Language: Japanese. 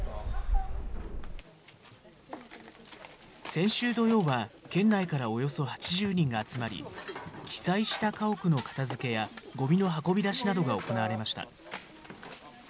先週土曜は県内からおよそ８０人が集まり、被災した家屋の片づけやごみの運び出しなどが行われました。